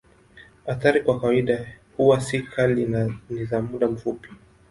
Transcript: Athari kwa kawaida huwa si kali na ni za muda mfupi.